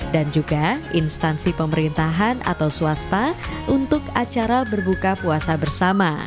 dan juga instansi pemerintahan atau swasta untuk acara berbuka puasa bersama